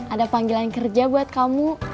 ada panggilan kerja buat kamu